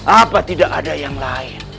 apa tidak ada yang lain